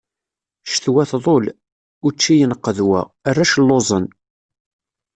Ccetwa tḍul, učči yenqedwa, arrac lluẓen.